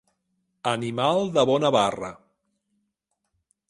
Animal de bona barra.